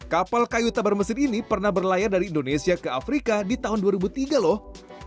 kapal kayu tabar mesin ini pernah berlayar dari indonesia ke afrika di tahun dua ribu tiga loh